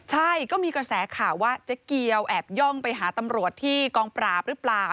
ใช่ก็มีกระแสข่าวว่าเจ๊เกียวแอบย่องไปหาตำรวจที่กองปราบหรือเปล่า